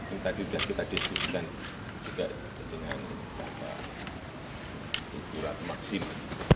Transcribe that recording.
ini tadi sudah kita diskusikan juga dengan inklusi keuangan ratu maksima